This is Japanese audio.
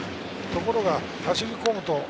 ところが走り込むと。